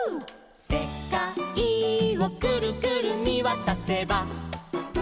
「せかいをくるくるみわたせば」